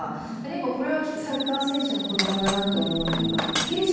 やっぱりこれはサッカー選手の子どもだなと思うというか、蹴りし